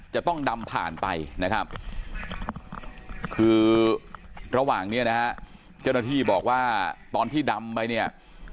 จะต้องดำผ่านไปนะครับคือระหว่างนี้นะฮะเจ้าหน้าที่บอกว่าตอนที่ดำไปเนี่ย